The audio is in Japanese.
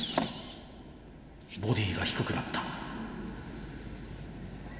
ボディーが低くなった。